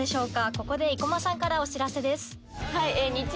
ここで生駒さんからお知らせです。